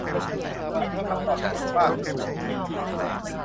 ไม่มีคำตอบจากอีกฟากหนึ่ง